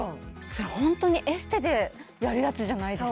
それホントにエステでやるやつじゃないですか？